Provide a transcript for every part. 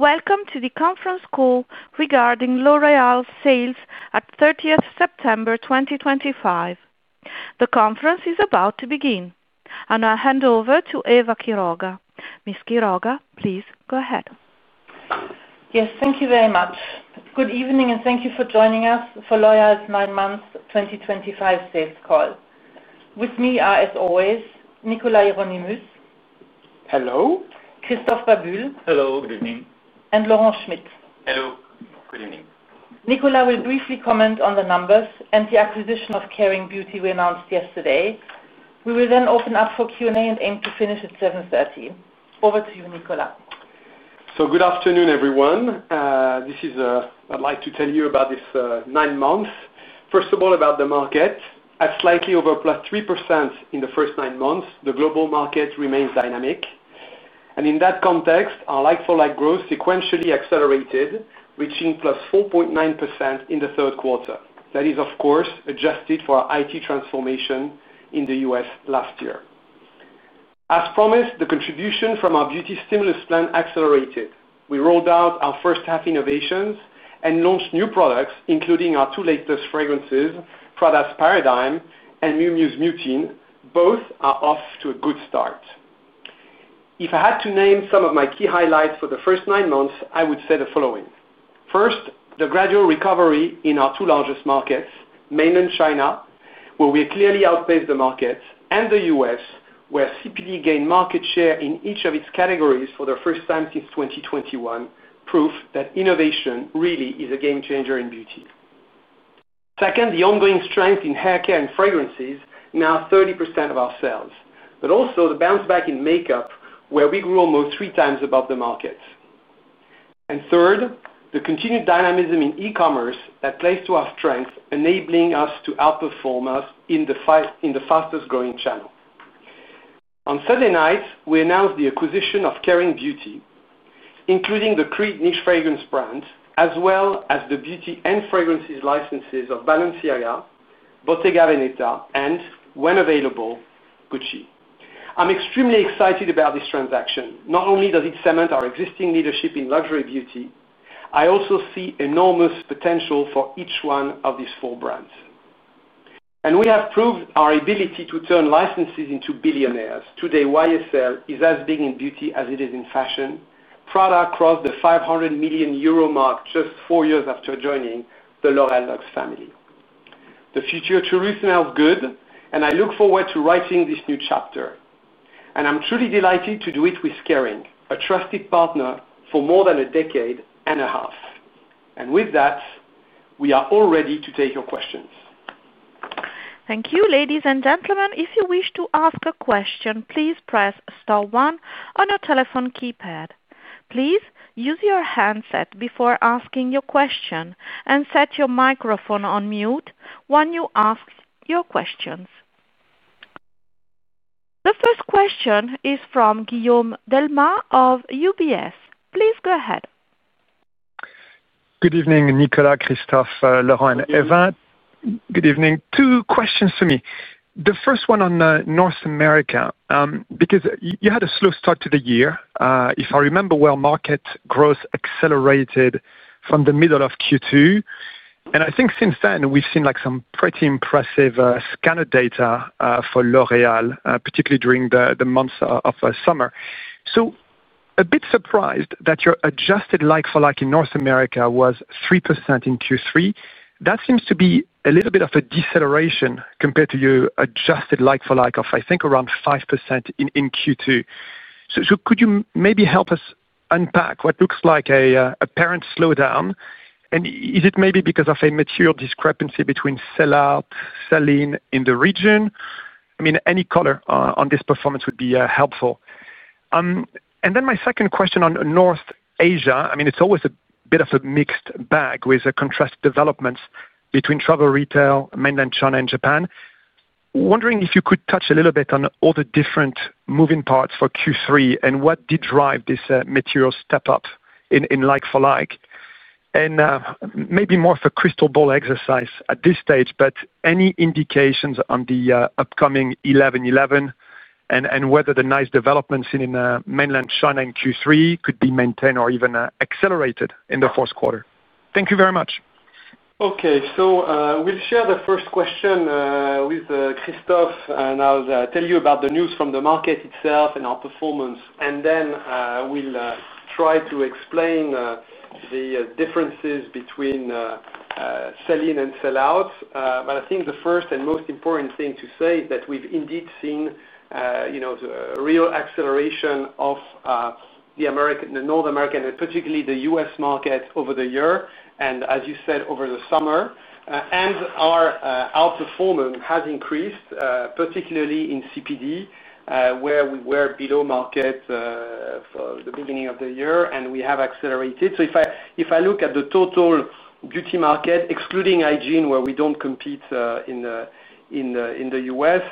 Welcome to the conference call regarding L'Oréal's sales at 30th September 2025. The conference is about to begin, and I hand over to Eva Quiroga. Ms. Quiroga, please go ahead. Yes, thank you very much. Good evening, and thank you for joining us for L'Oréal's nine-month 2025 sales call. With me are, as always, Nicolas Hieronimus. Hello. Christophe Babule. Hello, good evening. Laurent Schmitt. Hello, good evening. Nicolas will briefly comment on the numbers and the acquisition of Kering Beauty, we announced yesterday. We will then open up for Q&A and aim to finish at 7:30. Over to you, Nicolas. Good afternoon, everyone. I'd like to tell you about these nine months. First of all, about the market. At slightly over +3% in the first nine months, the global market remains dynamic. In that context, our like-for-like growth sequentially accelerated, reaching +4.9% in the third quarter. That is, of course, adjusted for our IT transformation in the U.S. last year. As promised, the contribution from our Beauty Stimulus Plan accelerated. We rolled out our first half innovations and launched new products, including our two latest fragrances, Prada Paradoxe and Miu Miu Mutiny. Both are off to a good start. If I had to name some of my key highlights for the first nine months, I would say the following. First, the gradual recovery in our two largest markets, Mainland China, where we clearly outpaced the market, and the U.S., where CPD gained market share in each of its categories for the first time since 2021, proof that innovation really is a game changer in beauty. Second, the ongoing strength in hair care and fragrances, now 30% of our sales, but also the bounce back in makeup, where we grew almost 3x above the market. Third, the continued dynamism in e-commerce that plays to our strength, enabling us to outperform in the fastest growing channel. On Saturday night, we announced the acquisition of Kering Beauty, including the Creed niche fragrance brand, as well as the beauty and fragrances licenses of Balenciaga, Bottega Veneta, and, when available, Gucci. I'm extremely excited about this transaction. Not only does it cement our existing leadership in luxury beauty, I also see enormous potential for each one of these four brands. We have proved our ability to turn licenses into billionaires. Today, YSL is as big in beauty as it is in fashion. Prada crossed the 500 million euro mark just four years after joining the L'Oréal Luxe family. The future to [Ruth] smells good, and I look forward to writing this new chapter. I'm truly delighted to do it with Kering, a trusted partner for more than a decade and a half. With that, we are all ready to take your questions. Thank you, ladies and gentlemen. If you wish to ask a question, please press star one on your telephone keypad. Please use your handset before asking your question and set your microphone on mute when you ask your questions. The first question is from Guillaume Delmasof UBS. Please go ahead. Good evening, Nicolas, Christophe, Laurent, Eva. Good evening. Two questions for me. The first one on North America, because you had a slow start to the year. If I remember well, market growth accelerated from the middle of Q2. I think since then, we've seen some pretty impressive scanner data for L'Oréal, particularly during the months of summer. A bit surprised that your adjusted like-for-like in North America was 3% in Q3. That seems to be a little bit of a deceleration compared to your adjusted like-for-like of, I think, around 5% in Q2. Could you maybe help us unpack what looks like an apparent slowdown? Is it maybe because of a material discrepancy between sell-out, selling in the region? Any color on this performance would be helpful. My second question on North Asia. It's always a bit of a mixed bag with contrast developments between travel retail, Mainland China, and Japan. Wondering if you could touch a little bit on all the different moving parts for Q3 and what did drive this material step up in like-for-like. Maybe more of a crystal ball exercise at this stage, but any indications on the upcoming 11/11 and whether the nice developments seen in Mainland China in Q3 could be maintained or even accelerated in the first quarter. Thank you very much. Okay, so we'll share the first question with Christophe, and I'll tell you about the news from the market itself and our performance. Then we'll try to explain the differences between selling and sell-out. I think the first and most important thing to say is that we've indeed seen a real acceleration of the North American, particularly the U.S. market over the year. As you said, over the summer, our outperformance has increased, particularly in CPD, where we were below market for the beginning of the year, and we have accelerated. If I look at the total beauty market, excluding hygiene, where we don't compete in the U.S.,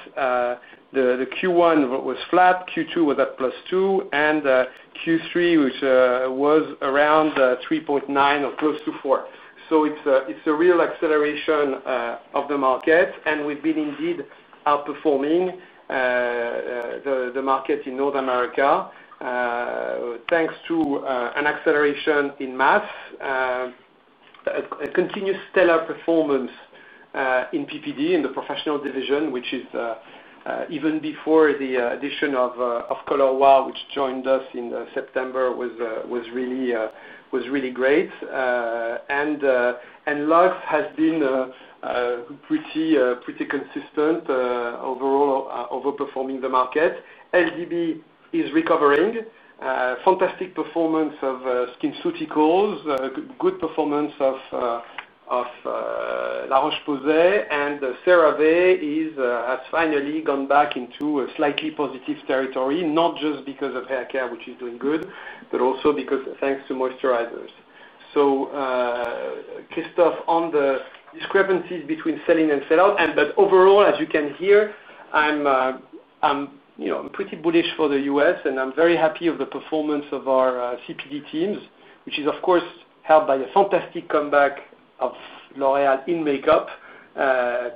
Q1 was flat, Q2 was at +2%, and Q3, which was around 3.9% or close to 4%. It's a real acceleration of the market, and we've been indeed outperforming the market in North America thanks to an acceleration in mass, a continuous stellar performance in PPD in the Professional Division, which is even before the addition of Color Wow, which joined us in September, was really great. LOF has been pretty consistent, overall, overperforming the market. LDB is recovering. Fantastic performance of SkinCeuticals, good performance of La Roche-Posay, and CeraVe has finally gone back into a slightly positive territory, not just because of hair care, which is doing good, but also because thanks to moisturizers. Christophe, on the discrepancies between selling and sell-out, and that overall, as you can hear, I'm pretty bullish for the U.S., and I'm very happy of the performance of our CPD teams, which is, of course, helped by a fantastic comeback of L'Oréal in makeup,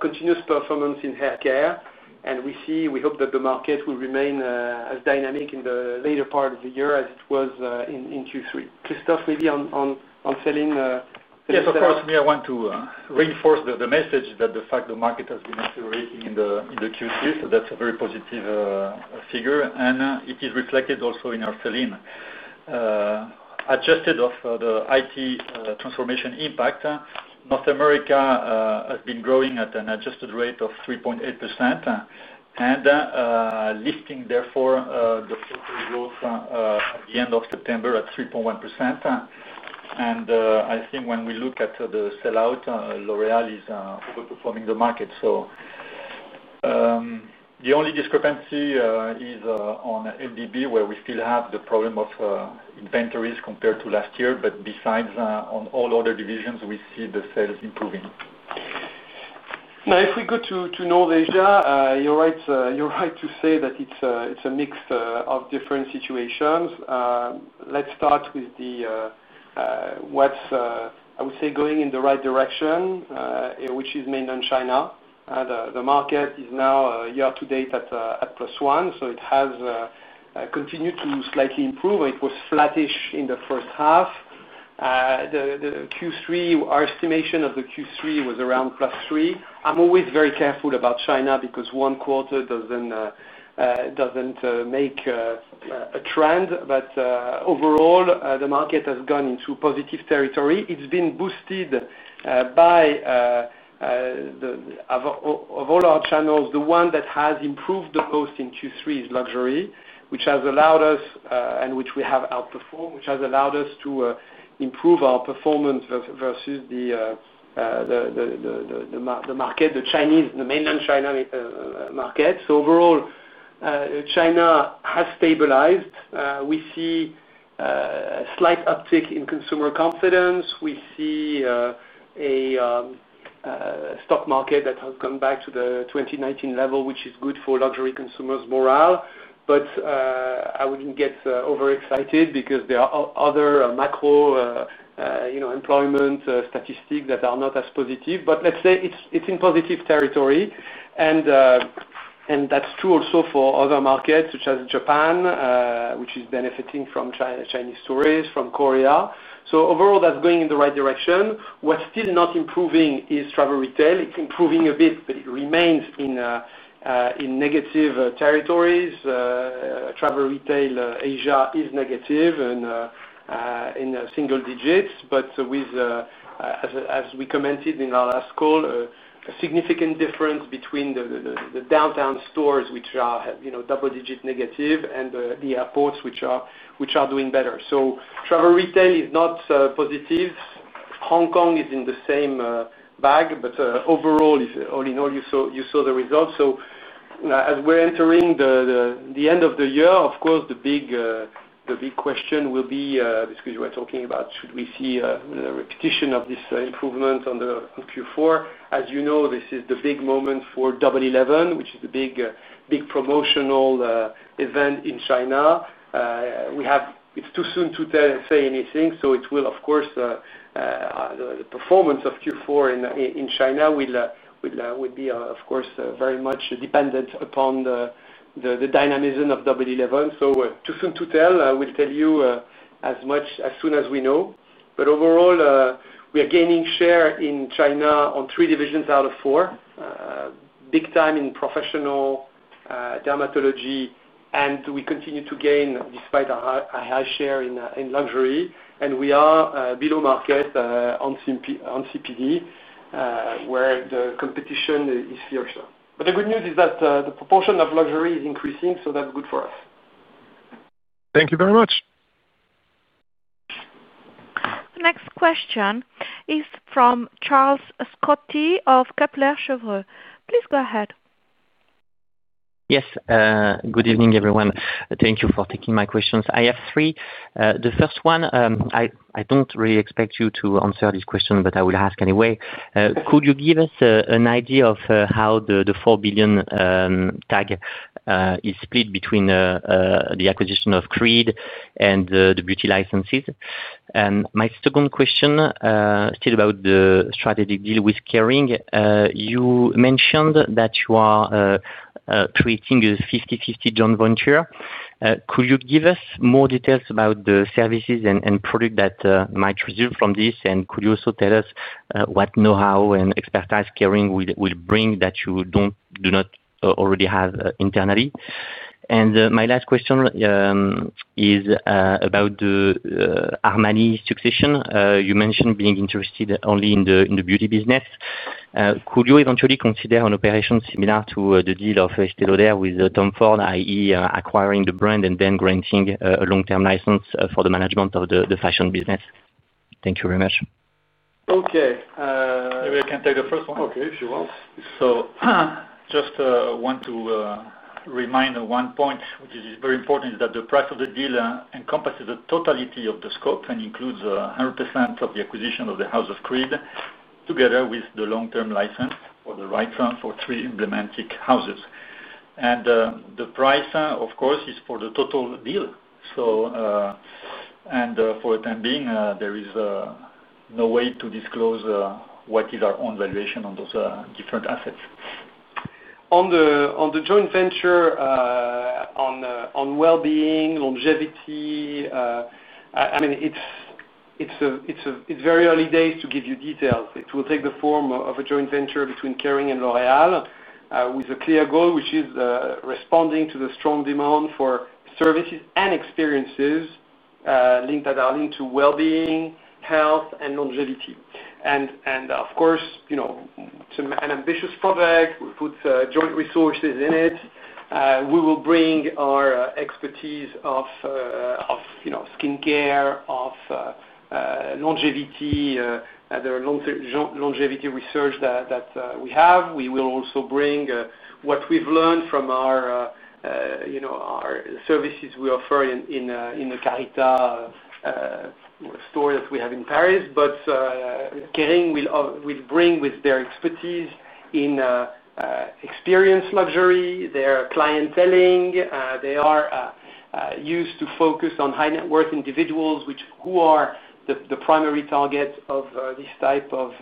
continuous performance in hair care. We see, we hope that the market will remain as dynamic in the later part of the year as it was in Q3. Christophe, maybe on selling? Yes, of course. I want to reinforce the message that the fact the market has been accelerating in Q3, that's a very positive figure, and it is reflected also in our selling. Adjusted off the IT transformation impact, North America has been growing at an adjusted rate of 3.8% and lifting, therefore, the total growth at the end of September at 3.1%. I think when we look at the sell-out, L'Oréal is overperforming the market. The only discrepancy is on LDB, where we still have the problem of inventories compared to last year, but besides, on all other divisions, we see the sales improving. Now, if we go to North Asia, you're right to say that it's a mix of different situations. Let's start with what's, I would say, going in the right direction, which is Mainland China. The market is now, year to date, at +1%, so it has continued to slightly improve. It was flattish in the first half. Our estimation of the Q3 was around +3%. I'm always very careful about China because one quarter doesn't make a trend, but overall, the market has gone into positive territory. It's been boosted by, of all our channels, the one that has improved the most in Q3 is luxury, which has allowed us, and which we have outperformed, which has allowed us to improve our performance versus the market, the Chinese, the Mainland China market. Overall, China has stabilized. We see a slight uptick in consumer confidence. We see a stock market that has gone back to the 2019 level, which is good for luxury consumers' morale. I wouldn't get overexcited because there are other macro employment statistics that are not as positive. Let's say it's in positive territory. That's true also for other markets, such as Japan, which is benefiting from Chinese stories, from Korea. Overall, that's going in the right direction. What's still not improving is travel retail. It's improving a bit, but it remains in negative territories. Travel retail Asia is negative in single digits, but with, as we commented in our last call, a significant difference between the downtown stores, which are double-digit negative, and the airports, which are doing better. Travel retail is not positive. Hong Kong is in the same bag, but overall, all in all, you saw the results. As we're entering the end of the year, of course, the big question will be, because you were talking about, should we see a repetition of this improvement on Q4? As you know, this is the big moment for Double Eleven, which is the big promotional event in China. It's too soon to say anything, so it will, of course, the performance of Q4 in China will be, of course, very much dependent upon the dynamism of Double Eleven. Too soon to tell. We'll tell you as much as soon as we know. Overall, we are gaining share in China on three divisions out of four, big time in professional dermatology, and we continue to gain despite our high share in luxury. We are below market on CPD, where the competition is fierce. The good news is that the proportion of luxury is increasing, so that's good for us. Thank you very much. Next question is from Charles Scotti of Kepler Chevreux. Please go ahead. Yes. Good evening, everyone. Thank you for taking my questions. I have three. The first one, I don't really expect you to answer this question, but I will ask anyway. Could you give us an idea of how the 4 billion tag is split between the acquisition of Creed and the beauty licenses? My second question, still about the strategic deal with Kering, you mentioned that you are creating a 50/50 joint venture. Could you give us more details about the services and products that might result from this? Could you also tell us what know-how and expertise Kering will bring that you do not already have internally? My last question is about the Armani succession. You mentioned being interested only in the beauty business. Could you eventually consider an operation similar to the deal of Estée Lauder with Tom Ford, i.e., acquiring the brand and then granting a long-term license for the management of the fashion business? Thank you very much. Okay. Maybe I can take the first one. Okay, if you want. Just want to remind one point, which is very important, is that the price of the deal encompasses the totality of the scope and includes 100% of the acquisition of the house of Creed, together with the long-term license or the rights for three emblematic houses. The price, of course, is for the total deal. For the time being, there is no way to disclose what is our own valuation on those different assets. On the joint venture, on well-being, longevity, it's very early days to give you details. It will take the form of a joint venture between Kering and L'Oréal with a clear goal, which is responding to the strong demand for services and experiences linked to well-being, health, and longevity. It's an ambitious project. We'll put joint resources in it. We will bring our expertise of skincare, of longevity, the longevity research that we have. We will also bring what we've learned from our services we offer in the Carita store that we have in Paris. Kering will bring their expertise in experience luxury, their clienteling. They are used to focus on high-net-worth individuals, which are the primary targets of this type of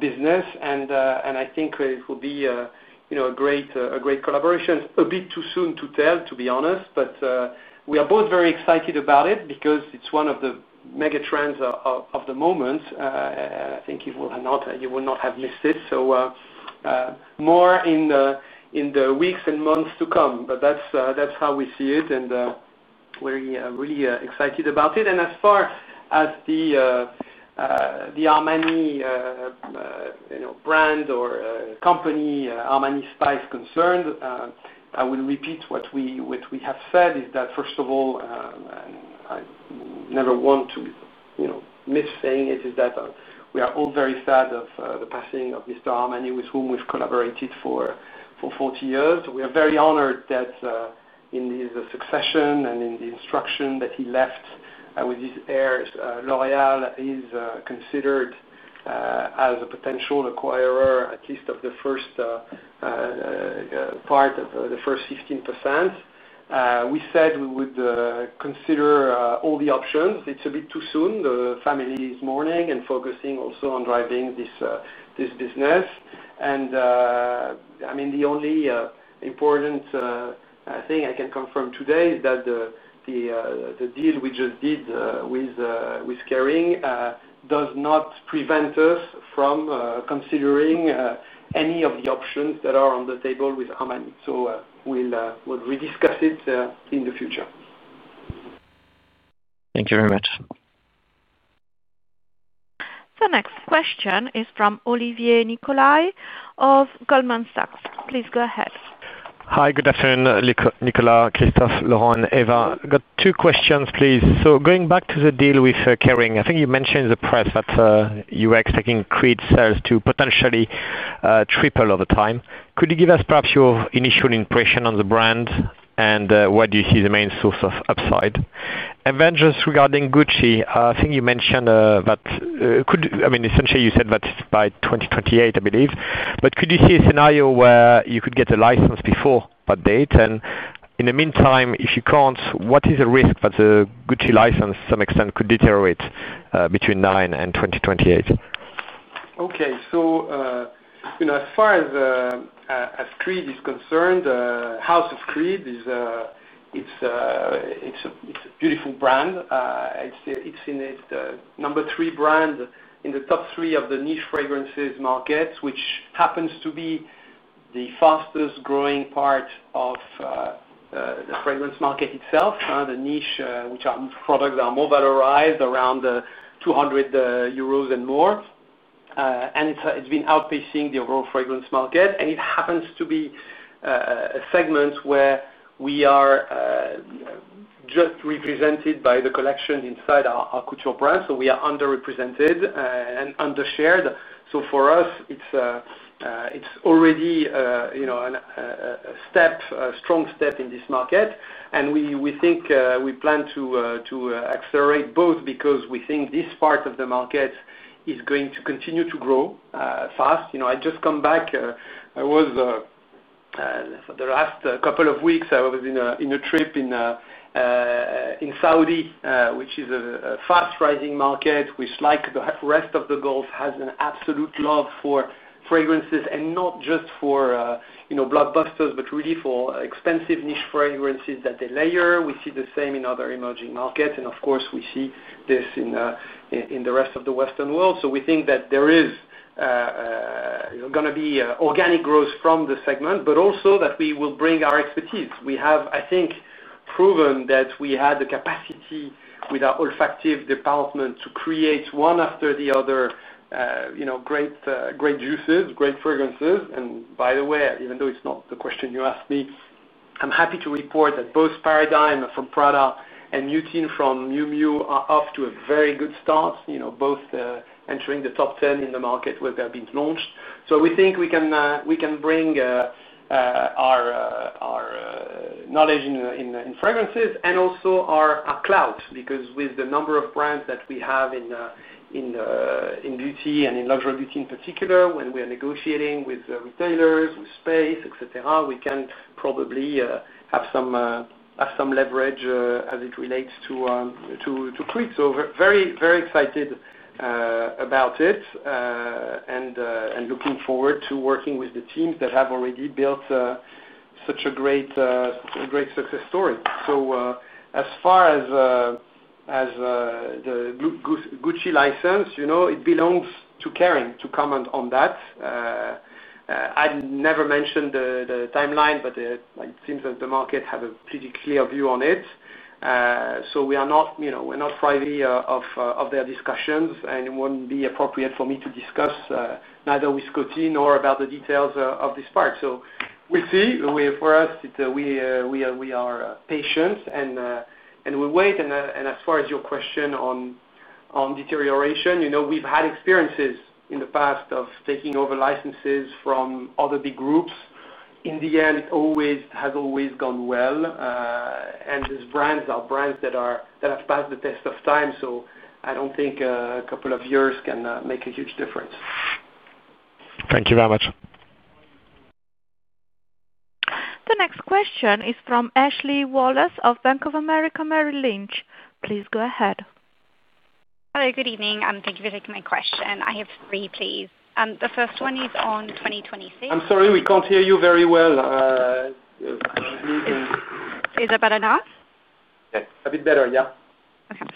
business. I think it will be a great collaboration. It's a bit too soon to tell, to be honest, but we are both very excited about it because it's one of the megatrends of the moment. I think you will not have missed it. More in the weeks and months to come, but that's how we see it. We're really excited about it. As far as the Armani brand or company, Armani Spice, concerned, I will repeat what we have said, is that, first of all, and I never want to miss saying it, is that we are all very sad of the passing of Mr. Armani, with whom we've collaborated for 40 years. We are very honored that in his succession and in the instruction that he left with his heir, L'Oréal is considered as a potential acquirer, at least of the first part of the first 15%. We said we would consider all the options. It's a bit too soon. The family is mourning and focusing also on driving this business. The only important thing I can confirm today is that the deal we just did with Kering does not prevent us from considering any of the options that are on the table with Armani. We'll rediscuss it in the future. Thank you very much. The next question is from Olivier Nicolai of Goldman Sachs. Please go ahead. Hi, good afternoon, Nicolas, Christophe, Laurent, Eva. I've got two questions, please. Going back to the deal with Kering, I think you mentioned in the press that you were expecting Creed's sales to potentially triple over time. Could you give us perhaps your initial impression on the brand and where do you see the main source of upside? Just regarding Gucci, I think you mentioned that, I mean, essentially, you said that it's by 2028, I believe. Could you see a scenario where you could get a license before that date? In the meantime, if you can't, what is the risk that the Gucci license, to some extent, could deteriorate between now and 2028? Okay. As far as Creed is concerned, the house of Creed, it's a beautiful brand. It's the number three brand in the top three of the niche fragrances markets, which happens to be the fastest growing part of the fragrance market itself. The niche, which are products that are more valorized, around 200 million euros and more, has been outpacing the overall fragrance market. It happens to be a segment where we are just represented by the collection inside our couture brand. We are underrepresented and undershared. For us, it's already a strong step in this market. We think we plan to accelerate both because we think this part of the market is going to continue to grow fast. I just come back. For the last couple of weeks, I was on a trip in Saudi, which is a fast-rising market, which, like the rest of the Gulf, has an absolute love for fragrances, and not just for blockbusters, but really for expensive niche fragrances that they layer. We see the same in other emerging markets. Of course, we see this in the rest of the Western world. We think that there is going to be organic growth from the segment, but also that we will bring our expertise. We have, I think, proven that we had the capacity with our olfactive department to create one after the other great juices, great fragrances. By the way, even though it's not the question you asked me, I'm happy to report that both Prada Paradoxe and Miu Miu Mutiny are off to a very good start, both entering the top 10 in the market where they have been launched. We think we can bring our knowledge in fragrances and also our clout because with the number of brands that we have in beauty and in luxury beauty in particular, when we are negotiating with retailers, with space, etc., we can probably have some leverage as it relates to Creed. Very, very excited about it and looking forward to working with the teams that have already built such a great success story. As far as the Gucci license, it belongs to Kering to comment on that. I never mentioned the timeline, but it seems that the market had a pretty clear view on it. We are not privy of their discussions, and it wouldn't be appropriate for me to discuss neither with Scotty nor about the details of this part. We'll see. For us, we are patient and we wait. As far as your question on deterioration, we've had experiences in the past of taking over licenses from other big groups. In the end, it has always gone well. These brands are brands that have passed the test of time. I don't think a couple of years can make a huge difference. Thank you very much. The next question is from Ashley Wallace of Bank of America Merrill Lynch. Please go ahead. Hello, good evening, and thank you for taking my question. I have three, please. The first one is on 2026. I'm sorry, we can't hear you very well. I don't know if you can. Is it better now? Yes, a bit better, yeah. Okay.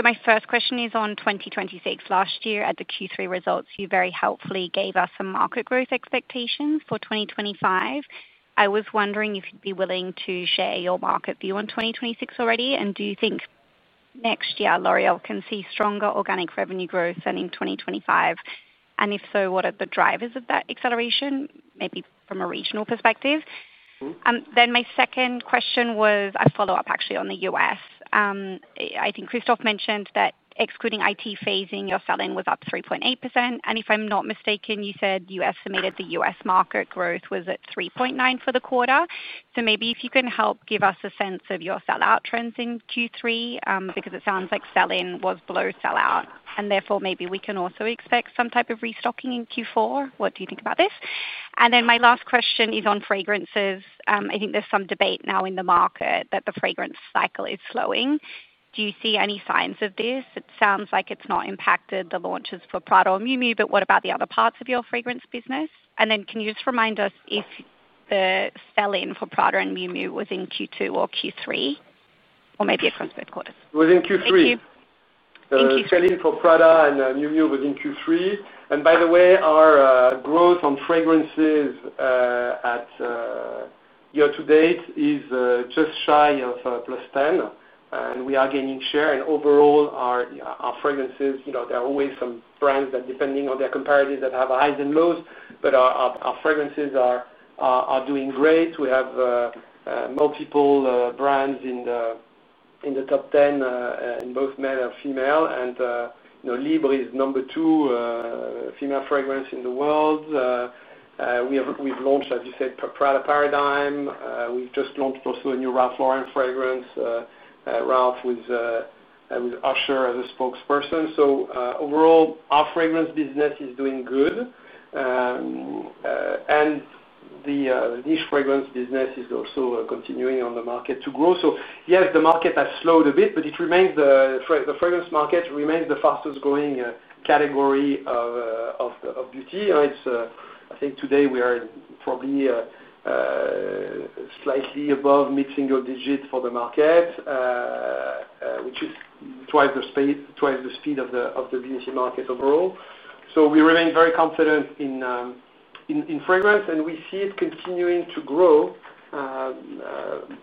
My first question is on 2026. Last year, at the Q3 results, you very helpfully gave us some market growth expectations for 2025. I was wondering if you'd be willing to share your market view on 2026 already, and do you think next year, L'Oréal can see stronger organic revenue growth than in 2025? If so, what are the drivers of that acceleration, maybe from a regional perspective? Then my second question was a follow-up, actually, on the U.S. I think Christophe mentioned that excluding IT phasing, your sell-in was up 3.8%. If I'm not mistaken, you said you estimated the U.S. market growth was at 3.9% for the quarter. Maybe you can help give us a sense of your sell-out trends in Q3, because it sounds like sell-in was below sell-out. Therefore, maybe we can also expect some type of restocking in Q4. What do you think about this? My last question is on fragrances. I think there's some debate now in the market that the fragrance cycle is slowing. Do you see any signs of this? It sounds like it's not impacted the launches for Prada or Miu Miu Mutiny, but what about the other parts of your fragrance business? Can you just remind us if the sell-in for Prada Paradoxe and Miu Miu Mutiny was in Q2 or Q3, or maybe across both quarters? It was in Q3. Thank you. The selling for Prada and Miu Miu Mutiny was in Q3. By the way, our growth on fragrances year-to-date is just shy of +10%, and we are gaining share. Overall, our fragrances, you know, there are always some brands that, depending on their comparatives, have highs and lows, but our fragrances are doing great. We have multiple brands in the top 10 in both male and female. Libre is number two female fragrance in the world. We've launched, as you said, Prada Paradoxe. We've just launched also a new Ralph Lauren fragrance, Ralph, with Usher as a spokesperson. Overall, our fragrance business is doing good, and the niche fragrance business is also continuing on the market to grow. Yes, the market has slowed a bit, but the fragrance market remains the fastest growing category of beauty. I think today we are probably slightly above mid-single digit for the market, which is twice the speed of the beauty market overall. We remain very confident in fragrance, and we see it continuing to grow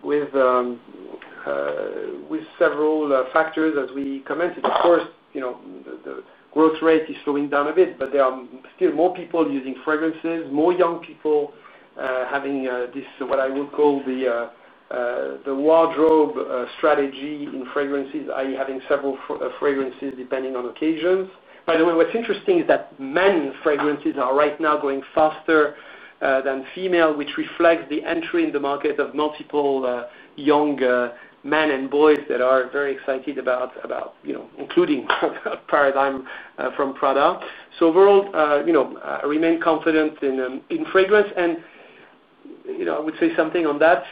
with several factors, as we commented. Of course, you know the growth rate is slowing down a bit, but there are still more people using fragrances, more young people having this, what I would call the wardrobe strategy in fragrances, i.e., having several fragrances depending on occasions. By the way, what's interesting is that men in fragrances are right now going faster than female, which reflects the entry in the market of multiple young men and boys that are very excited about, you know, including Paradoxe from Prada. Overall, you know, I remain confident in fragrance. I would say something on that.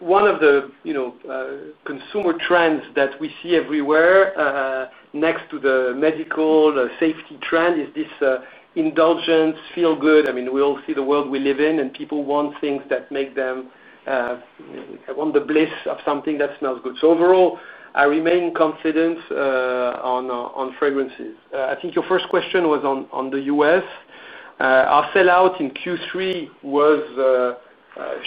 One of the consumer trends that we see everywhere next to the medical safety trend is this indulgence, feel-good. I mean, we all see the world we live in, and people want things that make them want the bliss of something that smells good. Overall, I remain confident on fragrances. I think your first question was on the U.S. Our sell-out in Q3 was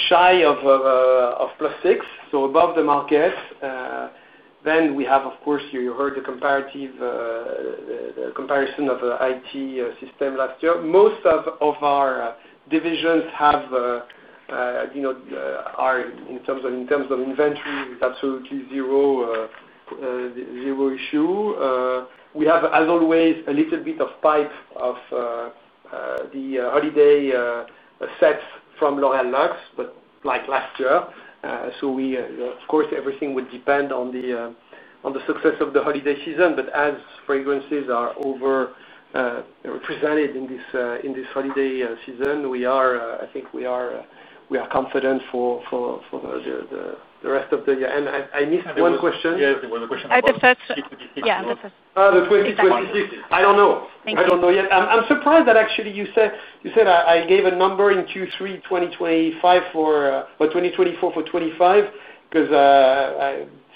shy of +6%, so above the market. We have, of course, you heard the comparison of the IT system last year. Most of our divisions are in terms of inventory, with absolutely zero issue. We have, as always, a little bit of pipe of the holiday sets from L'Oréal Lux, but like last year. Everything would depend on the success of the holiday season. As fragrances are overrepresented in this holiday season, I think we are confident for the rest of the year. I missed one question. Yes, there was a question. I'd have said. Yeah, I'd have said. 2026. I don't know. I don't know yet. I'm surprised that actually you said I gave a number in Q3, 2025, for 2024 for 25 because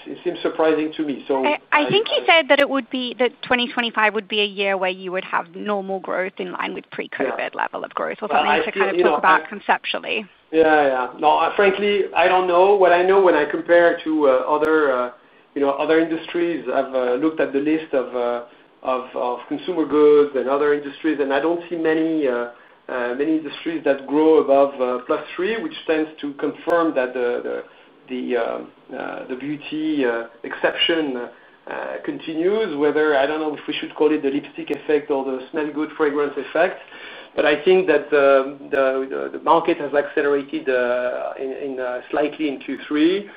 it seems surprising to me. I think you said that it would be that 2025 would be a year where you would have normal growth in line with pre-COVID level of growth. I thought we need to kind of talk about conceptually. No, frankly, I don't know. What I know, when I compare to other industries, I've looked at the list of consumer goods and other industries, and I don't see many industries that grow above +3%, which tends to confirm that the beauty exception continues, whether I don't know if we should call it the lipstick effect or the smell good fragrance effect. I think that the market has accelerated slightly in Q3,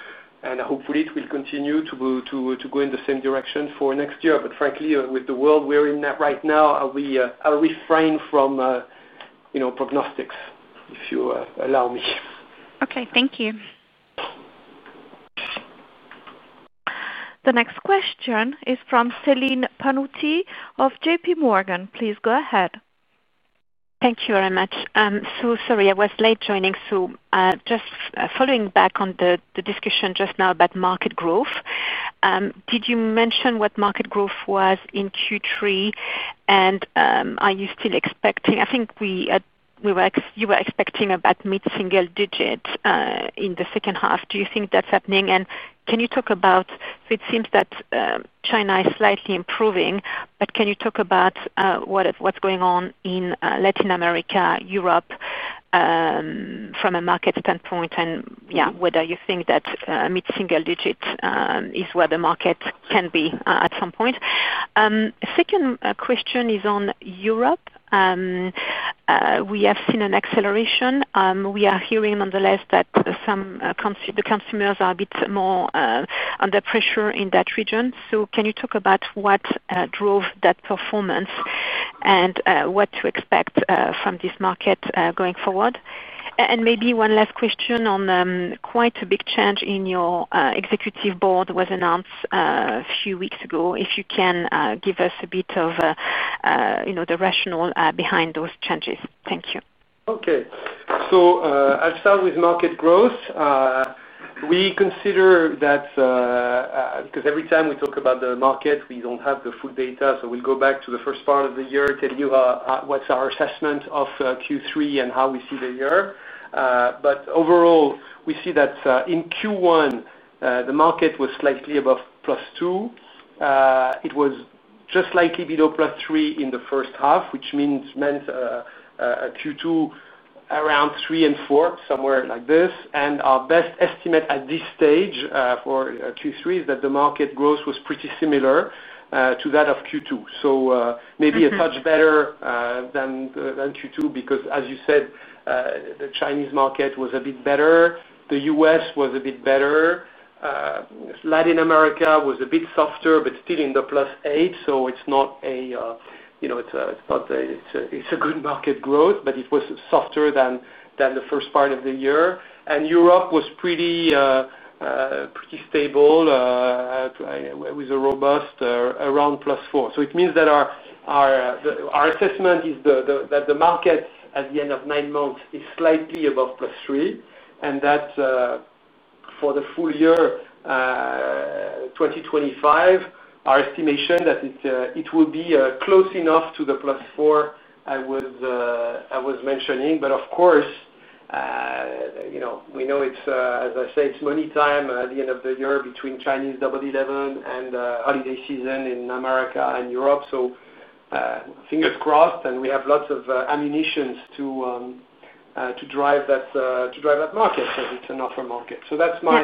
and hopefully, it will continue to go in the same direction for next year. Frankly, with the world we're in right now, I'll refrain from prognostics, if you allow me. Okay, thank you. The next question is from Celine Pannuti of JPMorgan. Please go ahead. Thank you very much. Sorry, I was late joining. Just following back on the discussion just now about market growth, did you mention what market growth was in Q3, and are you still expecting? I think you were expecting about mid-single digit in the second half. Do you think that's happening? Can you talk about, it seems that China is slightly improving, but can you talk about what's going on in Latin America, Europe, from a market standpoint, and whether you think that mid-single digit is where the market can be at some point? The second question is on Europe. We have seen an acceleration. We are hearing nonetheless that the consumers are a bit more under pressure in that region. Can you talk about what drove that performance and what to expect from this market going forward? Maybe one last question on quite a big change in your Executive Board was announced a few weeks ago. If you can give us a bit of the rationale behind those changes. Thank you. Okay. I'll start with market growth. We consider that because every time we talk about the market, we don't have the full data. We'll go back to the first part of the year, tell you what's our assessment of Q3 and how we see the year. Overall, we see that in Q1, the market was slightly above +2%. It was just slightly below +3% in the first half, which meant Q2 around 3% and 4%, somewhere like this. Our best estimate at this stage for Q3 is that the market growth was pretty similar to that of Q2, maybe a touch better than Q2 because, as you said, the Chinese market was a bit better. The U.S. was a bit better. Latin America was a bit softer, but still in the +8%. It's a good market growth, but it was softer than the first part of the year. Europe was pretty stable with a robust around +4%. It means that our assessment is that the market at the end of nine months is slightly above +3%. For the full year, 2025, our estimation is that it will be close enough to the +4% I was mentioning. Of course, you know it's, as I say, it's money time at the end of the year between Chinese Double Eleven and holiday season in America and Europe. Fingers crossed, and we have lots of ammunitions to drive that market because it's an offer market. That's my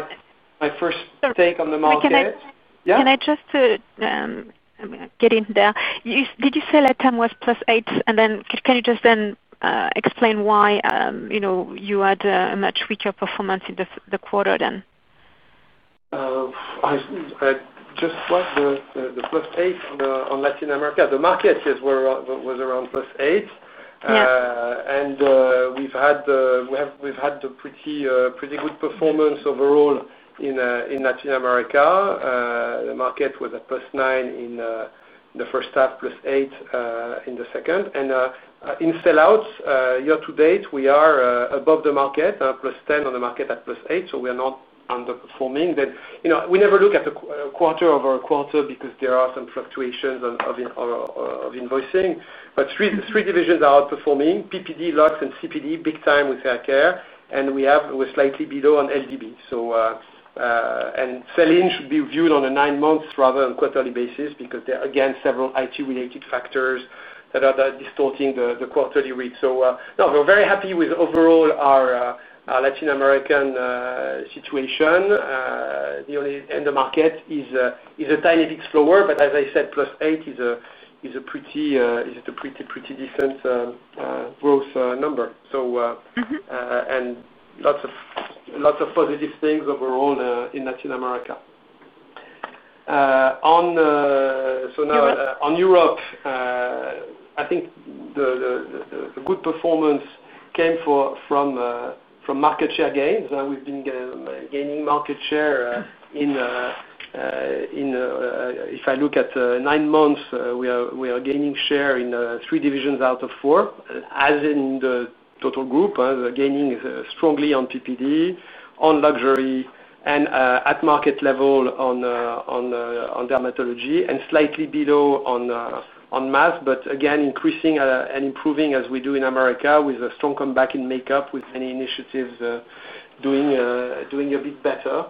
first take on the market. Yeah? Can I just get in there? Did you say that time was +8%, and then can you just explain why you had a much weaker performance in the quarter then? I just swiped the +8% on Latin America. The market was around +8%. We've had a pretty good performance overall in Latin America. The market was at +9% in the first half, +8% in the second. In sell-outs, year-to-date, we are above the market, +10% on the market at +8%. We are not underperforming. We never look at the quarter-over-quarter because there are some fluctuations of invoicing. Three divisions are outperforming: PPD, Lux, and CPD, big time with hair care. We were slightly below on LDB. Selling should be viewed on a nine-month rather than quarterly basis because there, again, are several IT-related factors that are distorting the quarterly rate. We are very happy with overall our Latin American situation. The market is a tiny bit slower, but as I said, +8% is a pretty, pretty decent growth number. Lots of positive things overall in Latin America. Now on Europe, I think the good performance came from market share gains. We've been gaining market share in, if I look at nine months, we are gaining share in three divisions out of four, as in the total group. The gaining is strongly on PPD, on luxury, and at market level on dermatology, and slightly below on mass. Again, increasing and improving, as we do in America, with a strong comeback in makeup, with many initiatives doing a bit better.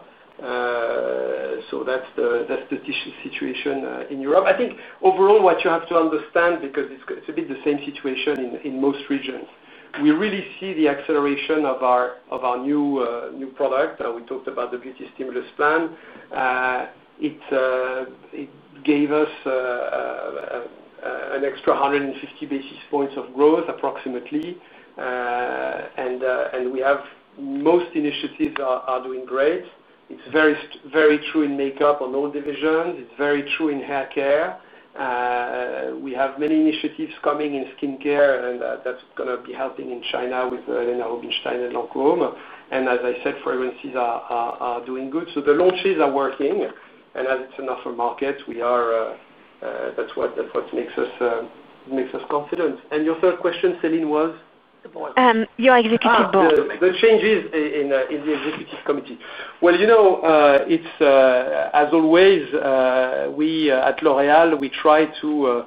That's the situation in Europe. I think overall what you have to understand, because it's a bit the same situation in most regions, we really see the acceleration of our new product. We talked about the Beauty Stimulus Plan. It gave us an extra 150 basis points of growth, approximately. We have most initiatives are doing great. It's very, very true in makeup on all divisions. It's very true in hair care. We have many initiatives coming in skincare, and that's going to be helping in China with Helena Rubinstein and Lancome. As I said, fragrances are doing good. The launches are working. As it's an offer market, that's what makes us confident. Your third question, Celine, was? Your executive board. The changes in the Executive Committee. You know, as always, we at L'Oréal try to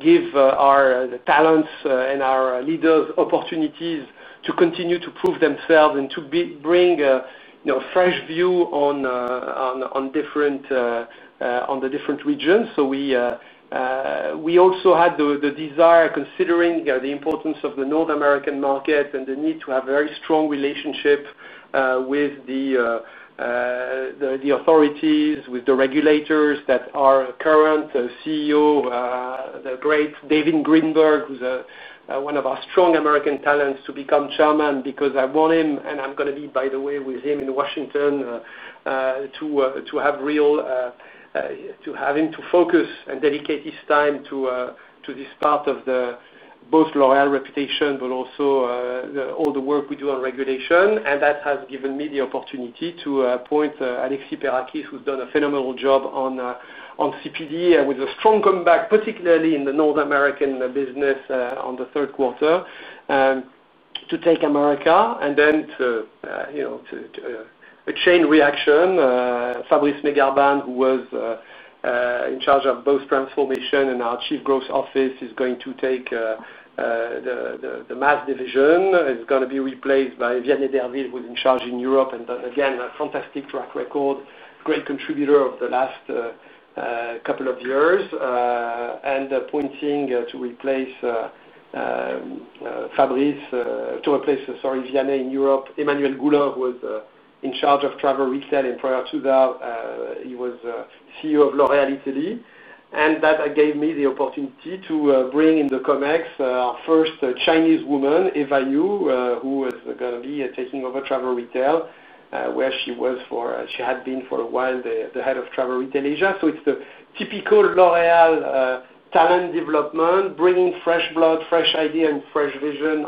give our talents and our leaders opportunities to continue to prove themselves and to bring a fresh view on the different regions. We also had the desire, considering the importance of the North American market and the need to have a very strong relationship with the authorities, with the regulators that are current, the CEO, the great David Greenberg, who's one of our strong American talents, to become Chairman because I want him, and I'm going to be, by the way, with him in Washington to have him focus and dedicate his time to this part of both L'Oréal reputation, but also all the work we do on regulation. That has given me the opportunity to appoint Alexis Perakis-Valat, who's done a phenomenal job on CPD, and with a strong comeback, particularly in the North American business in the third quarter, to take America. Then, a chain reaction, Fabrice Megabarne, who was in charge of both transformation and our Chief Growth Office, is going to take the Mass Division. He is going to be replaced by Vianney Derville, who's in charge in Europe. Again, a fantastic track record, great contributor of the last couple of years, and pointing to replace Fabrice, to replace, sorry, Vianney in Europe, Emmanuel Goula, who was in charge of travel retail in Praia Suda. He was CEO of L'Oréal Italy. That gave me the opportunity to bring in the COMEX, our first Chinese woman, Eva Yu, who is going to be taking over travel retail, where she had been for a while, the head of travel retail Asia. It's the typical L'Oréal talent development, bringing fresh blood, fresh idea, and fresh vision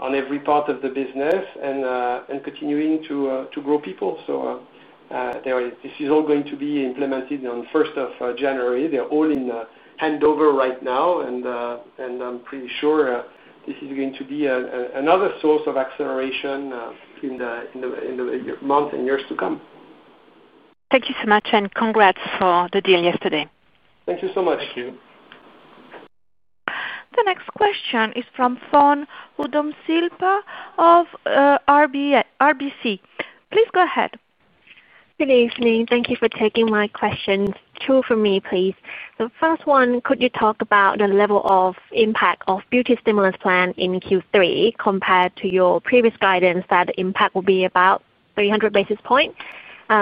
on every part of the business and continuing to grow people. This is all going to be implemented on 1st of January. They're all in handover right now. I'm pretty sure this is going to be another source of acceleration in the months and years to come. Thank you so much, and congrats for the deal yesterday. Thank you so much. The next question is from Fon Udomsilpa of RBC. Please go ahead. Good evening. Thank you for taking my question. Two for me, please. The first one, could you talk about the level of impact of the Beauty Stimulus Plan in Q3 compared to your previous guidance that the impact will be about 300 basis points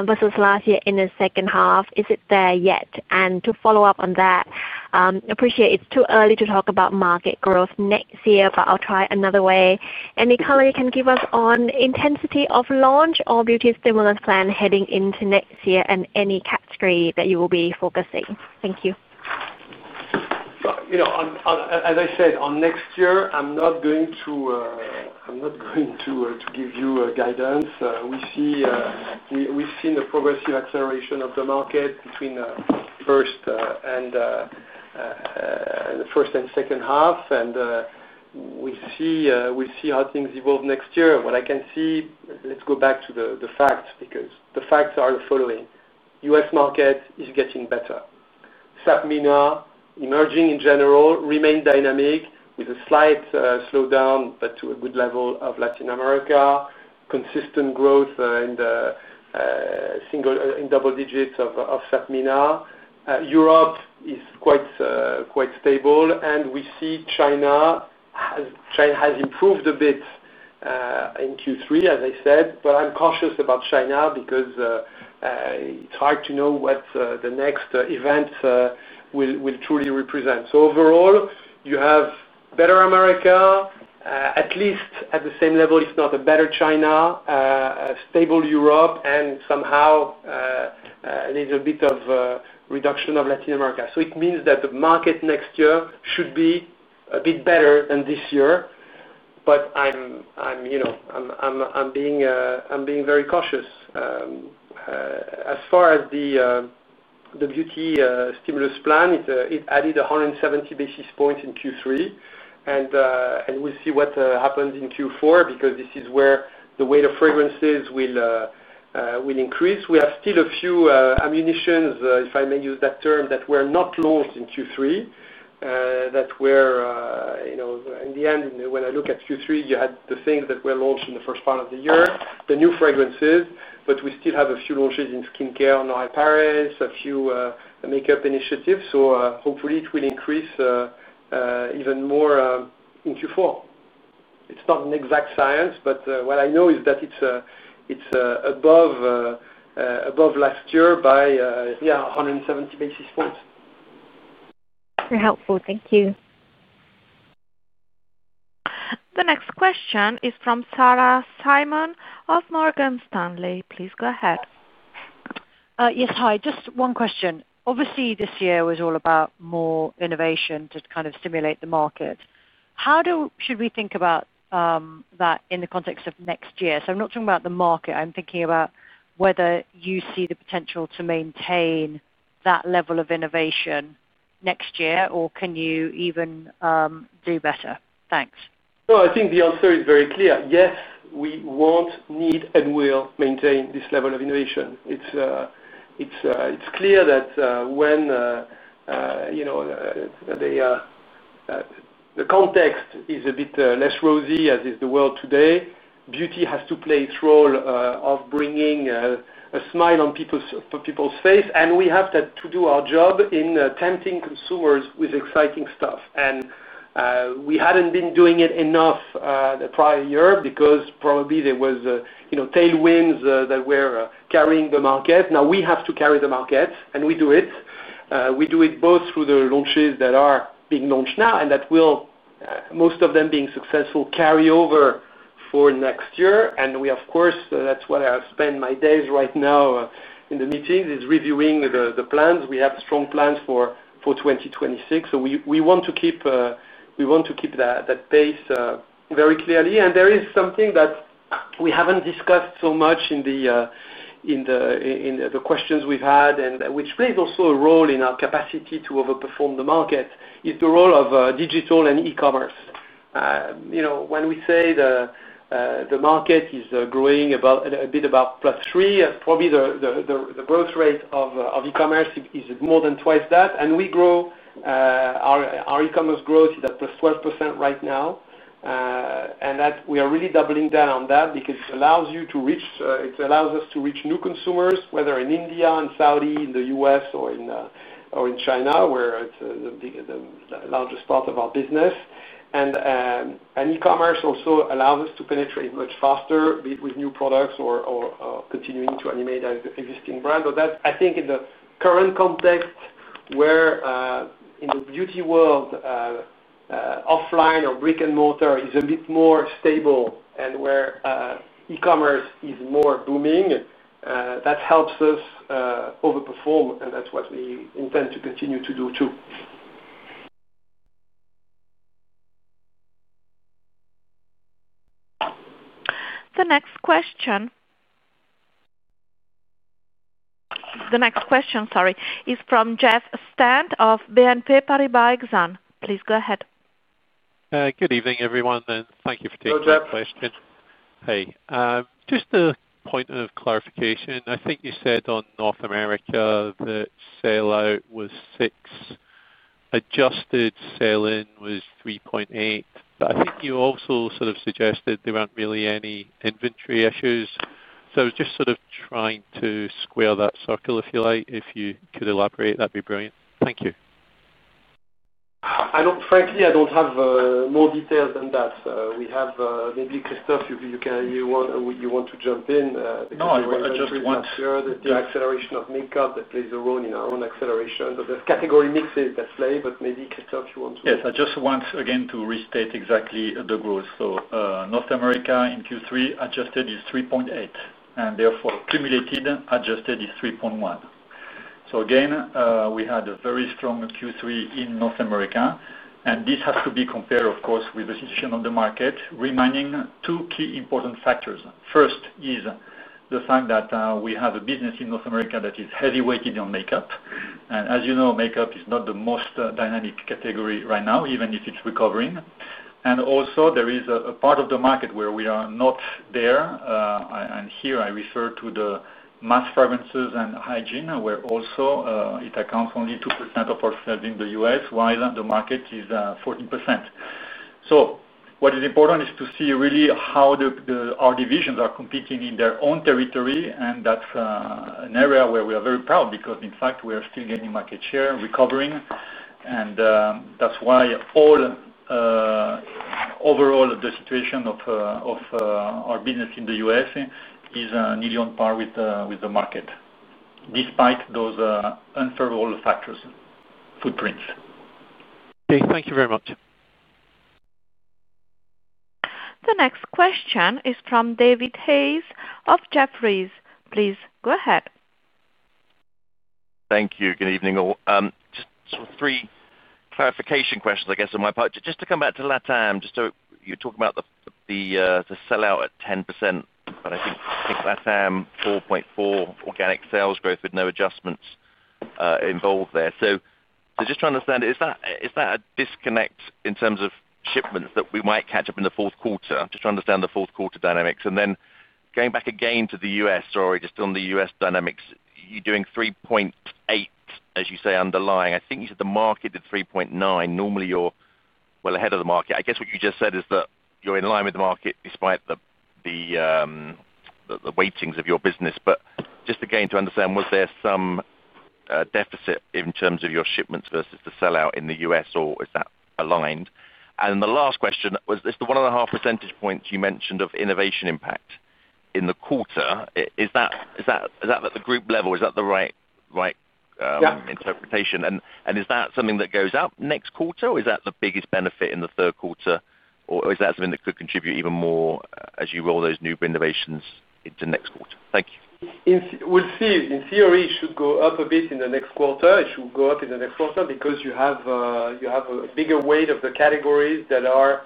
versus last year in the second half? Is it there yet? To follow up on that, I appreciate it's too early to talk about market growth next year, but I'll try another way. Any color you can give us on the intensity of launch or Beauty Stimulus Plan heading into next year and any category that you will be focusing? Thank you. As I said, on next year, I'm not going to give you guidance. We've seen a progressive acceleration of the market between the first and second half. We'll see how things evolve next year. What I can see, let's go back to the facts because the facts are the following. U.S. market is getting better. SAPMENA, emerging in general, remains dynamic with a slight slowdown, but to a good level of Latin America, consistent growth in double digits of SAPMENA. Europe is quite stable. We see China has improved a bit in Q3, as I said. I'm cautious about China because it's hard to know what the next event will truly represent. Overall, you have better America, at least at the same level, if not a better China, stable Europe, and somehow a little bit of reduction of Latin America. It means that the market next year should be a bit better than this year. I'm being very cautious. As far as the Beauty Stimulus Plan, it added 170 basis points in Q3. We'll see what happens in Q4 because this is where the weight of fragrances will increase. We have still a few ammunitions, if I may use that term, that were not launched in Q3 that were, in the end, when I look at Q3, you had the things that were launched in the first part of the year, the new fragrances. We still have a few launches in skincare in Paris, a few makeup initiatives. Hopefully, it will increase even more in Q4. It's not an exact science, but what I know is that it's above last year by, yeah, 170 basis points. Very helpful. Thank you. The next question is from Sarah Simon of Morgan Stanley. Please go ahead. Yes, hi. Just one question. Obviously, this year was all about more innovation to kind of stimulate the market. How should we think about that in the context of next year? I'm not talking about the market. I'm thinking about whether you see the potential to maintain that level of innovation next year, or can you even do better? Thanks. I think the answer is very clear. Yes, we want and will maintain this level of innovation. It's clear that when the context is a bit less rosy, as is the world today, beauty has to play its role of bringing a smile on people's face. We have to do our job in tempting consumers with exciting stuff. We hadn't been doing it enough the prior year because probably there were tailwinds that were carrying the market. Now we have to carry the market, and we do it. We do it both through the launches that are being launched now, and that will, most of them being successful, carry over for next year. Of course, that's what I spend my days right now in the meetings, is reviewing the plans. We have strong plans for 2026. We want to keep that pace very clearly. There is something that we haven't discussed so much in the questions we've had, and which plays also a role in our capacity to overperform the market, which is the role of digital and e-commerce. You know, when we say the market is growing a bit above +3%, probably the growth rate of e-commerce is more than twice that. We grow our e-commerce growth at +12% right now. We are really doubling down on that because it allows us to reach new consumers, whether in India and Saudi, in the U.S., or in China, where it's the largest part of our business. E-commerce also allows us to penetrate much faster with new products or continuing to animate existing brands. I think in the current context where in the beauty world, offline or brick and mortar is a bit more stable and where e-commerce is more booming, that helps us overperform. That's what we intend to continue to do too. The next question is from Jeff Stent of BNP Paribas Exane. Please go ahead. Good evening, everyone, and thank you for taking my question. Hello, Jeff. Hey, just a point of clarification. I think you said on North America that sell-out was 6%. Adjusted sell-in was 3.8%. I think you also sort of suggested there aren't really any inventory issues. I was just sort of trying to square that circle, if you like. If you could elaborate, that'd be brilliant. Thank you. Frankly, I don't have more details than that. We have maybe, Christophe, if you want to jump in. I just want. Because I think we have heard the acceleration of makeup that plays a role in our own acceleration. There are category mixes that play, but maybe, Christophe, you want to. Yes, I just want, again, to restate exactly the growth. North America in Q3, adjusted, is 3.8%. Therefore, cumulated adjusted is 3.1%. We had a very strong Q3 in North America. This has to be compared, of course, with the situation of the market, reminding two key important factors. First is the fact that we have a business in North America that is heavyweighted on makeup. As you know, makeup is not the most dynamic category right now, even if it's recovering. Also, there is a part of the market where we are not there. Here, I refer to the mass fragrances and hygiene, where it accounts for only 2% of our sales in the U.S., while the market is 14%. What is important is to see really how our divisions are competing in their own territory. That's an area where we are very proud because, in fact, we are still gaining market share and recovering. That's why overall the situation of our business in the U.S. is nearly on par with the market, despite those unfavorable factors, footprints. Okay, thank you very much. The next question is from David Hayes of Jefferies. Please go ahead. Thank you. Good evening all. Just sort of three clarification questions, I guess, on my part. Just to come back to LatAm, you're talking about the sell-out at 10%, but I think LatAm 4.4% organic sales growth with no adjustments involved there. Just trying to understand, is that a disconnect in terms of shipments that we might catch up in the fourth quarter? I'm just trying to understand the fourth quarter dynamics. Going back again to the U.S., sorry, just on the U.S. dynamics, you're doing 3.8%, as you say, underlying. I think you said the market did 3.9%. Normally, you're well ahead of the market. I guess what you just said is that you're in line with the market despite the weightings of your business. Just again to understand, was there some deficit in terms of your shipments versus the sell-out in the U.S., or is that aligned? The last question was, is the 1.5 percentage points you mentioned of innovation impact in the quarter, is that at the group level? Is that the right interpretation? Is that something that goes up next quarter, or is that the biggest benefit in the third quarter, or is that something that could contribute even more as you roll those new renovations into next quarter? Thank you. We'll see. In theory, it should go up a bit in the next quarter. It should go up in the next quarter because you have a bigger weight of the categories that are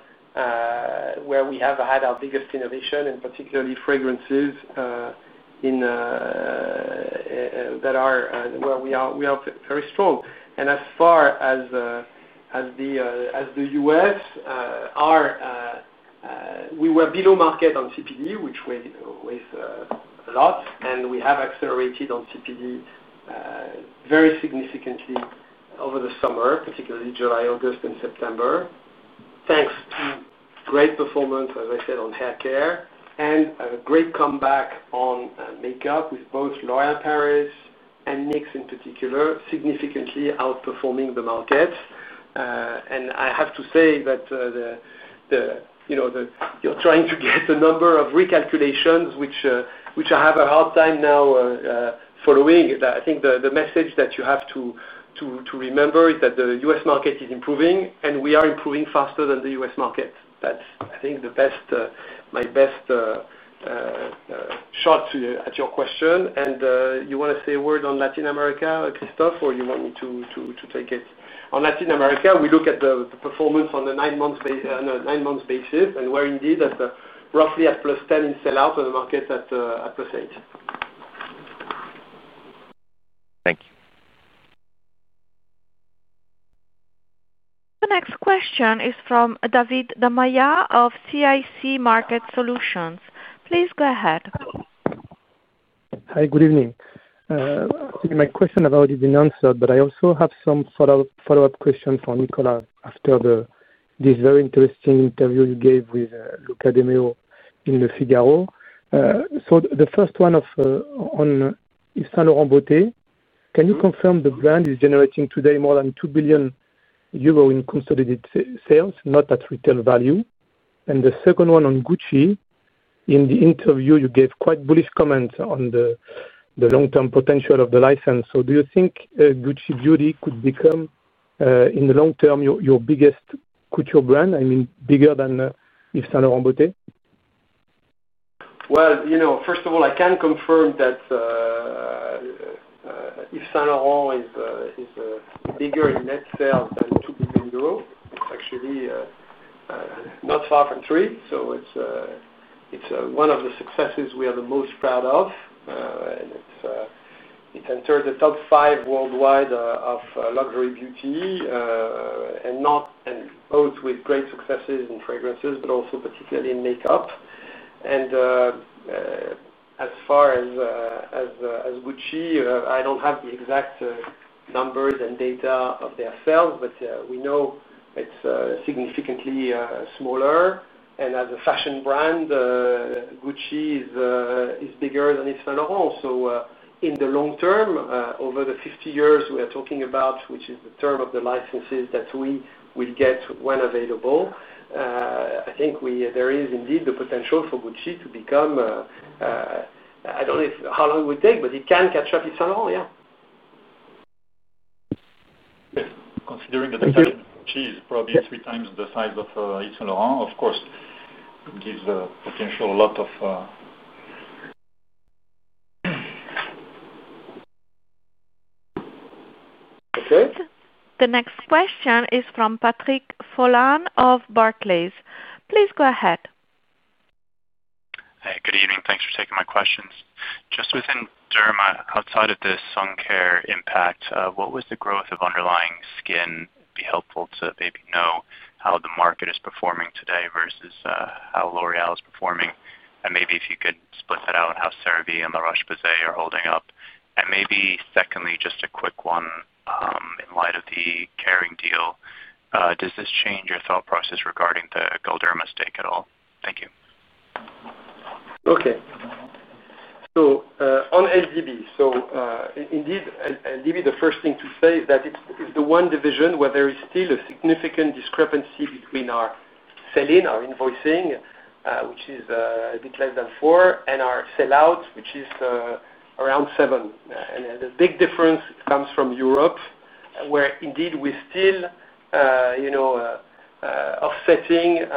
where we have had our biggest innovation, and particularly fragrances that are where we are very strong. As far as the U.S., we were below market on CPD, which weighs a lot. We have accelerated on CPD very significantly over the summer, particularly July, August, and September, thanks to great performance, as I said, on hair care and a great comeback on makeup with both L'Oréal Paris and NYX in particular, significantly outperforming the market. I have to say that you're trying to get the number of recalculations, which I have a hard time now following. I think the message that you have to remember is that the U.S. market is improving, and we are improving faster than the U.S. market. That's, I think, my best shot at your question. You want to say a word on Latin America, Christophe, or you want me to take it? On Latin America, we look at the performance on a nine-months basis, and we're indeed roughly at +10% in sell-out, and the market's at +8%. Thank you. The next question is from David Da Maia of CIC Market Solutions. Please go ahead. Hi, good evening. Actually, my question has already been answered, but I also have some follow-up questions for Nicolas after this very interesting interview you gave with Luca De Meo in Le Figaro. The first one is on Yves Saint Laurent Beauté. Can you confirm the brand is generating today more than 2 billion euro in consolidated sales, not at retail value? The second one on Gucci. In the interview, you gave quite bullish comments on the long-term potential of the license. Do you think Gucci Beauty could become, in the long term, your biggest couture brand? I mean, bigger than Yves Saint Laurent Beauté? First of all, I can confirm that Yves Saint Laurent is bigger in net sales than 2 billion euros. It's actually not far from 3 billion. It's one of the successes we are the most proud of. It entered the top five worldwide of luxury beauty, with great successes in fragrances, but also particularly in makeup. As far as Gucci, I don't have the exact numbers and data of their sales, but we know it's significantly smaller. As a fashion brand, Gucci is bigger than Yves Saint Laurent. In the long term, over the 50 years we are talking about, which is the term of the licenses that we will get when available, I think there is indeed the potential for Gucci to become, I don't know how long it would take, but it can catch up Yves Saint Laurent, yeah. Considering the. Again, Gucci is probably 3x the size of Yves Saint Laurent, of course, gives a potential a lot of. Okay. The next question is from Patrick Folan of Barclays. Please go ahead. Hey, good evening. Thanks for taking my questions. Just within derma, outside of the sun care impact, what was the growth of underlying skin? It'd be helpful to maybe know how the market is performing today versus how L'Oréal is performing. If you could split that out, how CeraVe and La Roche-Posay are holding up. Secondly, just a quick one, in light of the Kering Beauty deal, does this change your thought process regarding the Galderma stake at all? Thank you. Okay. On LDB, the first thing to say is that it's the one division where there is still a significant discrepancy between our selling, our invoicing, which is a bit less than 4, and our sell-out, which is around 7. The big difference comes from Europe, where we're still offsetting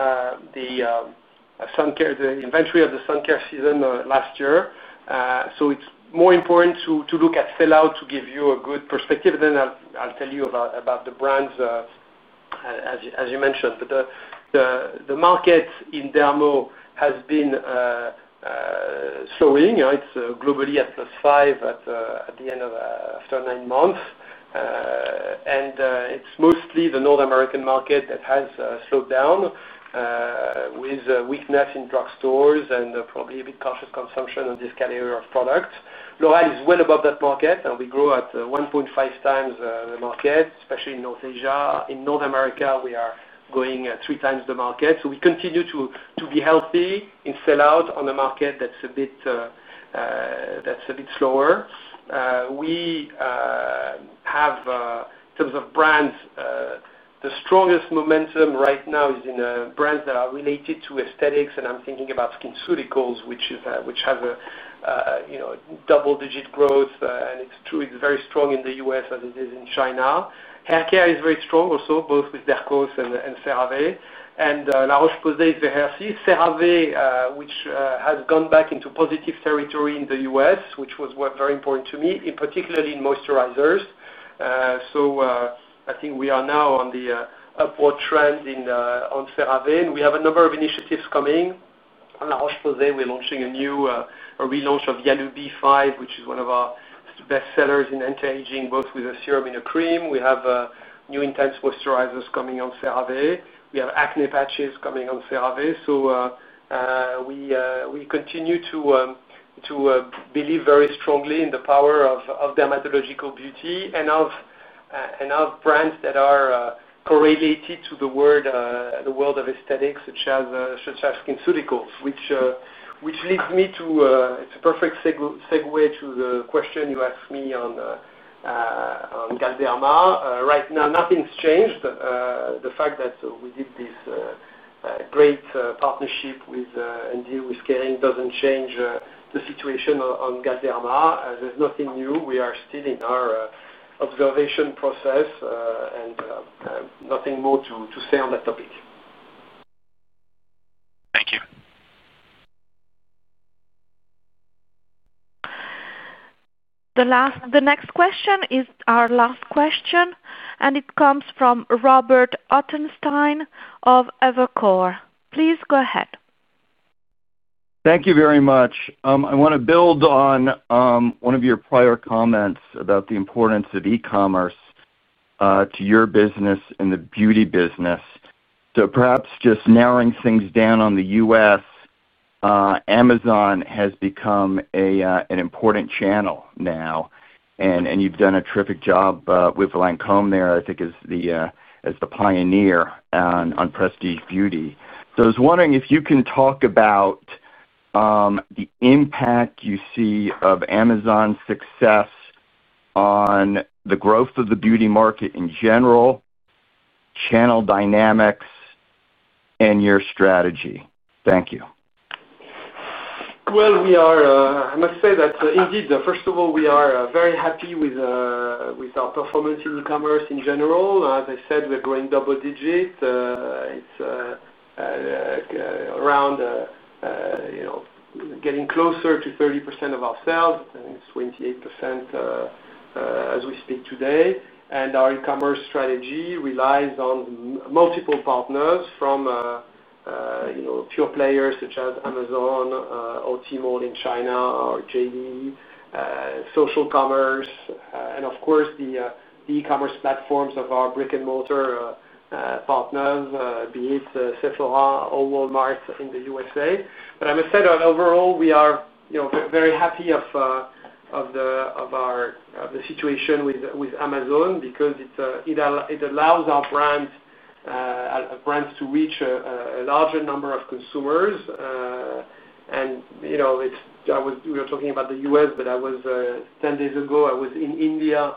the inventory of the sun care season last year. It's more important to look at sell-out to give you a good perspective. I'll tell you about the brands, as you mentioned. The market in dermo has been slowing. It's globally at +5% at the end of after nine months. It's mostly the North American market that has slowed down with weakness in drug stores and probably a bit cautious consumption on this category of products. L'Oréal is well above that market, and we grow at 1.5 times the market, especially in North Asia. In North America, we are growing at 3x the market. We continue to be healthy in sell-out on the market that's a bit slower. In terms of brands, the strongest momentum right now is in brands that are related to aesthetics. I'm thinking about SkinCeuticals, which has a double-digit growth. It's true, it's very strong in the U.S. as it is in China. Hair care is very strong also, both with Dercos and CeraVe. La Roche-Posay is the hair series. CeraVe, which has gone back into positive territory in the U.S., which was very important to me, particularly in moisturizers. I think we are now on the upward trend on CeraVe. We have a number of initiatives coming. On La Roche-Posay, we're launching a new relaunch of Yalu B5, which is one of our best sellers in anti-aging, both with a serum and a cream. We have new intense moisturizers coming on CeraVe. We have acne patches coming on CeraVe. We continue to believe very strongly in the power of dermatological beauty and of brands that are correlated to the world of aesthetics, such as SkinCeuticals, which leads me to a perfect segue to the question you asked me on Galderma. Right now, nothing's changed. The fact that we did this great partnership and deal with Kering doesn't change the situation on Galderma. There's nothing new. We are still in our observation process. Nothing more to say on that topic. Thank you. The next question is our last question, and it comes from Robert Ottenstein of Evercore. Please go ahead. Thank you very much. I want to build on one of your prior comments about the importance of e-commerce to your business and the beauty business. Perhaps just narrowing things down on the U.S., Amazon has become an important channel now. You've done a terrific job with Lancôme there, I think, as the pioneer on prestige beauty. I was wondering if you can talk about the impact you see of Amazon's success on the growth of the beauty market in general, channel dynamics, and your strategy. Thank you. I must say that indeed, first of all, we are very happy with our performance in e-commerce in general. As I said, we're growing double digit. It's around getting closer to 30% of our sales. I think it's 28% as we speak today. Our e-commerce strategy relies on multiple partners from pure players such as Amazon, OT Mall in China, or JD, Social Commerce, and of course, the e-commerce platforms of our brick and mortar partners, be it Sephora, Walmart, in the U.S. I must say that overall, we are very happy of the situation with Amazon because it allows our brands to reach a larger number of consumers. You know we were talking about the U.S., but 10 days ago, I was in India,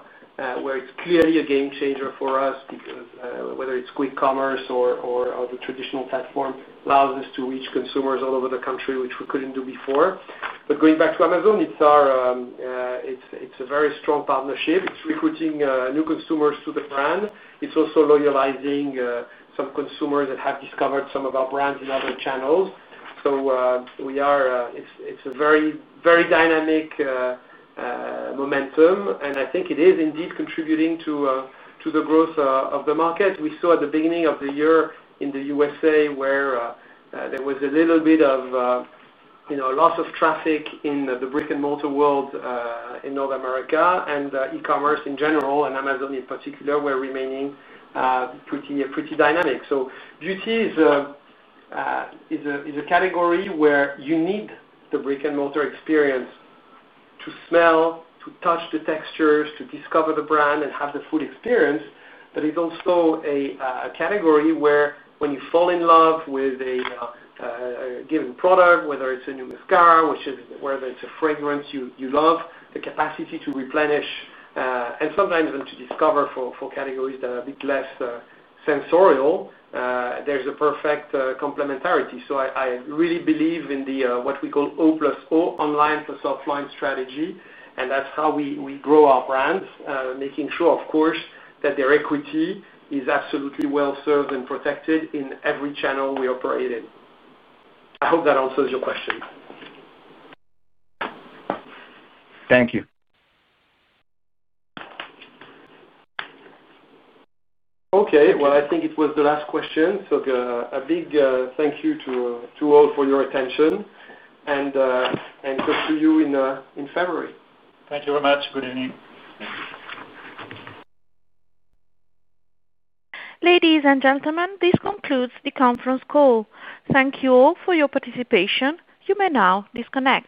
where it's clearly a game changer for us because whether it's quick commerce or the traditional platform allows us to reach consumers all over the country, which we couldn't do before. Going back to Amazon, it's a very strong partnership. It's recruiting new consumers to the brand. It's also loyalizing some consumers that have discovered some of our brands in other channels. It's a very, very dynamic momentum. I think it is indeed contributing to the growth of the market. We saw at the beginning of the year in the U.S. where there was a little bit of loss of traffic in the brick and mortar world in North America. E-commerce in general, and Amazon in particular, were remaining pretty dynamic. Beauty is a category where you need the brick and mortar experience to smell, to touch the textures, to discover the brand, and have the full experience. It's also a category where when you fall in love with a given product, whether it's a new mascara, whether it's a fragrance you love, the capacity to replenish and sometimes even to discover for categories that are a bit less sensorial, there's a perfect complementarity. I really believe in what we call O+O, online plus offline strategy. That's how we grow our brands, making sure, of course, that their equity is absolutely well served and protected in every channel we operate in. I hope that answers your question. Thank you. Okay. I think it was the last question. A big thank you to all for your attention, and talk to you in February. Thank you very much. Good evening. Ladies and gentlemen, this concludes the conference call. Thank you all for your participation. You may now disconnect.